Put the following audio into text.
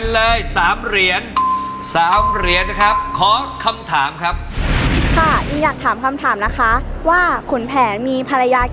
เลย๓เหรียญ๓เหรียญนะครับขอคำถามครับค่ะอิงอยากถามคำถามนะคะว่าขุนแผนมีภรรยากี่